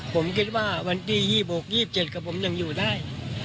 ผมคิดว่าวันที่๒๖๒๗กับผมยังอยู่ได้